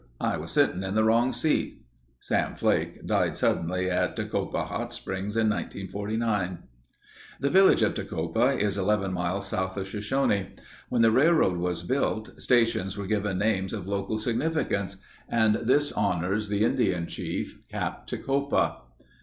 I was sitting in the wrong seat." (Sam Flake died suddenly at Tecopa Hot Springs in 1949.) The village of Tecopa is 11 miles south of Shoshone. When the railroad was built stations were given names of local significance and this honors the Indian chief, Cap Tecopa.